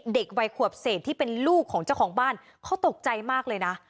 เด็กวัยขวบเศษที่เป็นลูกของเจ้าของบ้านเขาตกใจมากเลยนะ